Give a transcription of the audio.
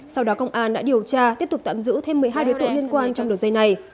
sau đó công an đã điều tra tiếp tục tạm giữ thêm một mươi hai đối tượng liên quan trong đường dây này